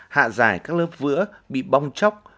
hạ dài các lớp vữa bị bong chóc